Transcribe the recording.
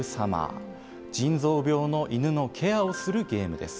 腎臓病の犬のケアをするゲームです。